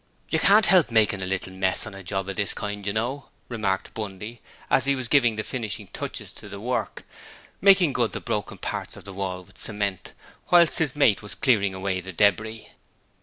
'You can't help makin' a little mess on a job of this kind, you know,' remarked Bundy, as he was giving the finishing touches to the work, making good the broken parts of the wall with cement, whilst his mate was clearing away the debris.